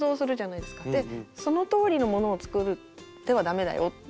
でそのとおりのものを作ってはダメだよっていう。